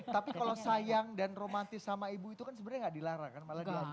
tapi kalau sayang dan romantis sama ibu itu kan sebenarnya nggak dilarang kan malah dia